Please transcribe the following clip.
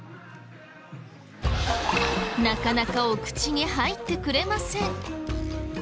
なかなかお口に入ってくれません。